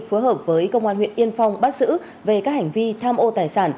phối hợp với công an huyện yên phong bắt giữ về các hành vi tham ô tài sản